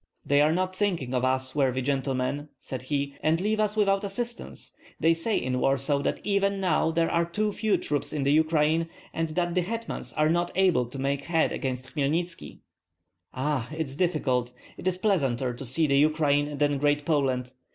"They are not thinking of us, worthy gentlemen," said he, "and leave us without assistance. They say in Warsaw that even now there are too few troops in the Ukraine, and that the hetmans are not able to make head against Hmelnitski. Ah, it is difficult! It is pleasanter to see the Ukraine than Great Poland.